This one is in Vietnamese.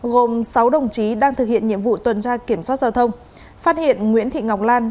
gồm sáu đồng chí đang thực hiện nhiệm vụ tuần tra kiểm soát giao thông phát hiện nguyễn thị ngọc lan